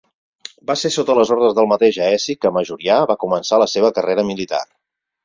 Va ser sota les ordres del mateix Aeci que Majorià va començar la seva carrera militar.